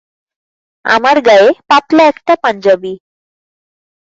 আমার গায়ে পাতলা একটা পাঞ্জাবি।